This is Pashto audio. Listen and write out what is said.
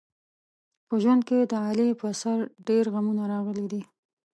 په ژوند کې د علي په سر ډېر غمونه راغلي دي.